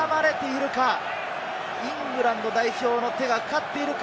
イングランド代表の手がかかっているか？